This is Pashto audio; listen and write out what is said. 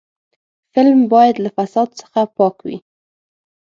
فلم باید له فساد څخه پاک وي